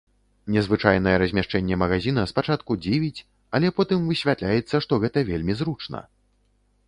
Незвычайнае размяшчэнне магазіна спачатку дзівіць, але потым высвятляецца, што гэта вельмі зручна.